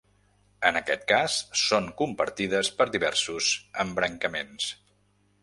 En aquest cas són compartides per diversos embrancaments.